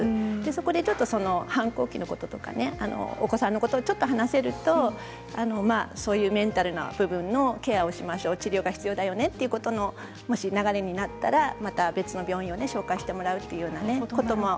そこでちょっと反抗期のこととかお子さんのことをちょっと話せるとメンタルな部分のケアをしましょう治療が必要だよねという流れになったらまた別の病院を紹介してもらうということも。